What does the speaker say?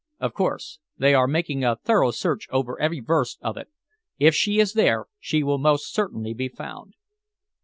"Of course. They are making a thorough search over every verst of it. If she is there, she will most certainly be found."